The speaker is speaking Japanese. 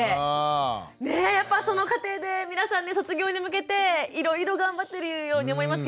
ねやっぱその家庭で皆さんね卒業に向けていろいろ頑張ってるように思いますけれども。